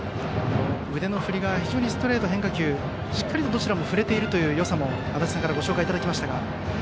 腕の振りがストレート、変化球しっかりと、どちらも振れているというよさも足達さんからご紹介いただきました。